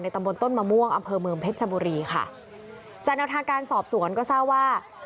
ตำบลต้นมะม่วงอำเภอเมืองเพชรชบุรีค่ะจากแนวทางการสอบสวนก็ทราบว่า